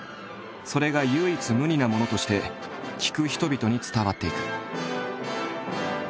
それが唯一無二なものとして聴く人々に伝わっていく。